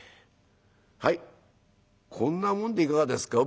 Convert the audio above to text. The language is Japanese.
はいこんなもんでいかがですか」。